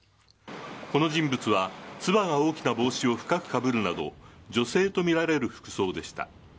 この人物は、つばが大きな帽子を深くかぶるなど、女性と見られる服装でした。